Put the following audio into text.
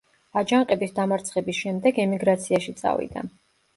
აჯანყების დამარცხების შემდეგ ემიგრაციაში წავიდა.